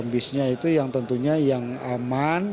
bisnya itu yang tentunya yang aman